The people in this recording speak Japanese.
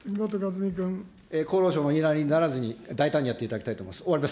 厚労省の言いなりにならずに、大胆にやっていただきたいと思います。